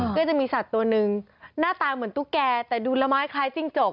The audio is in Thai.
ก็จะมีสัตว์ตัวหนึ่งหน้าตาเหมือนตุ๊กแก่แต่ดูละไม้คล้ายจิ้งจก